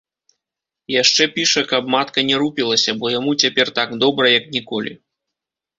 Яшчэ піша, каб матка не рупілася, бо яму цяпер так добра як ніколі.